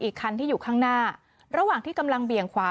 คันที่อยู่ข้างหน้าระหว่างที่กำลังเบี่ยงขวา